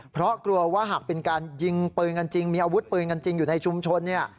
เพราะกลัวว่าหากเป็นการยิงปืนกันจริงมีอาวุธปืนกันจริงอยู่ในชุมชนเนี่ย